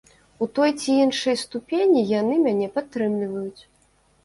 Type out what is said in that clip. У той ці іншай ступені яны мяне падтрымліваюць.